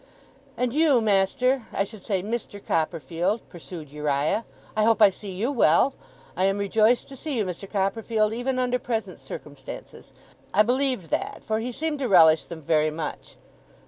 'And you, Master I should say, Mister Copperfield,' pursued Uriah. 'I hope I see you well! I am rejoiced to see you, Mister Copperfield, even under present circumstances.' I believed that; for he seemed to relish them very much.